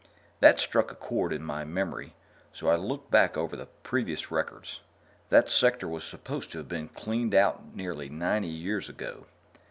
That struck a chord in my memory, so I looked back over the previous records. That Sector was supposed to have been cleaned out nearly ninety years ago.